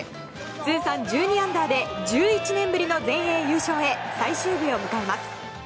通算１２アンダーで１１年ぶりの全英優勝へ最終日を迎えます。